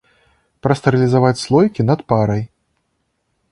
Прастэрылізаваць слоікі над парай.